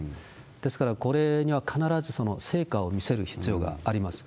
ですから、これには必ず成果を見せる必要があります。